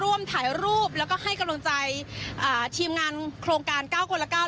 ร่วมถ่ายรูปแล้วก็ให้กำลังใจอ่าทีมงานโครงการ๙คนละเก้า